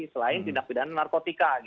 selain tindak pidana narkotika